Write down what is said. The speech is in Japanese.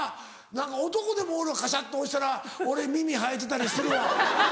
何か男でもカシャって押したら俺耳生えてたりするわ。